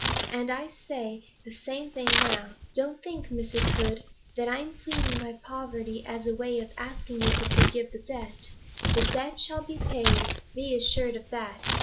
And I say the same thing now. Don't think, Mrs. Hood, that I'm pleading my poverty as a way of asking you to forgive the debt. The debt shall be paid; be assured of that.